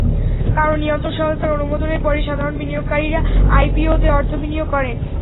কারণ, নিয়ন্ত্রক সংস্থার অনুমোদনের পরই সাধারণ বিনিয়োগকারীরা আইপিওতে অর্থ বিনিয়োগ করেন।